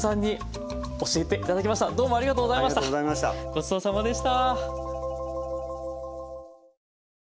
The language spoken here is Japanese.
ごちそうさまでした。